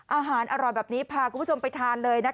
อาหารอร่อยแบบนี้พาคุณผู้ชมไปทานเลยนะคะ